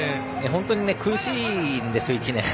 本当に苦しいんですよ、１年。